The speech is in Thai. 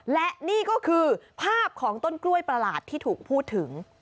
และนี่ก็คือภาพของต้นกล้วยประหลาดที่ถูกพูดถึง